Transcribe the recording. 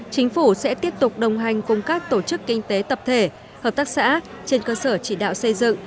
chính phủ sẽ tiếp tục đồng hành cùng các tổ chức kinh tế tập thể hợp tác xã trên cơ sở chỉ đạo xây dựng